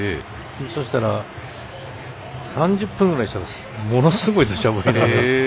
そしたら、３０分ぐらいしたらものすごい土砂降りで。